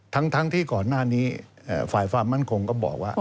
ทั้งที่ก่อนหน้านี้ฝ่ายความมั่นคงก็บอกว่า